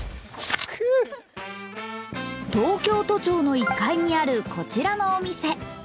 東京都庁の１階にあるこちらのお店。